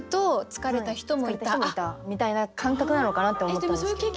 疲れた人もいたみたいな感覚なのかなって思ったんですけど。